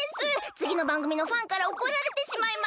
つぎのばんぐみのファンからおこられてしまいます！